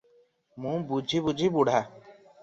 ମୁଁ ବୁଝି ବୁଝି ବୁଢା ।